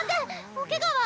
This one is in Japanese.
おケガは？